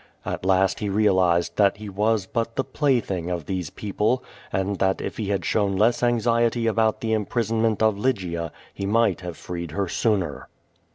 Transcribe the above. At last he realized that lie was but tlie pla3'thing of these people, and that if he had shown less anxiety about the imprisonment of Lygia, he might have freed her sooner.